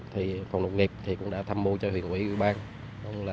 thì phòng nông nghiệp cũng đã tham mô cho huyện quỹ quỹ ban